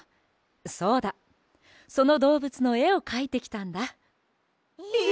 そうだそのどうぶつのえをかいてきたんだ。え！？